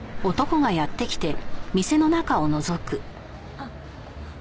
あっ。